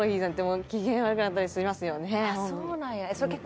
あっそうなんや。